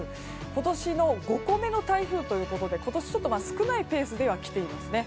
今年の５個目の台風ということで今年、ちょっと少ないペースでは来ています。